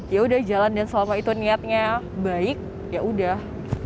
yaudah jalan dan selama itu niatnya baik yaudah